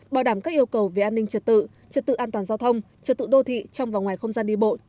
bảo đảm các yêu cầu về an ninh trật tự trật tự an toàn giao thông trật tự đô thị trong và ngoài không gian đi bộ